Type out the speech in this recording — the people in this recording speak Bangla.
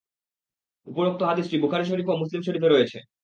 উপরোক্ত হাদীসটি বুখারী শরীফ ও মুসলিম শরীফে রয়েছে।